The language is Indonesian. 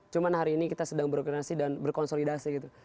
cuma hari ini kita sedang berokreasi dan berkonsolidasi gitu